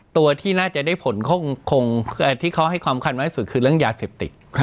ตัวที่น่าจะได้ผลที่เขาให้ความคันมากที่สุดคือเรื่องยาเสพติด